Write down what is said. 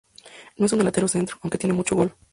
No es un delantero centro, aunque tiene mucho gol.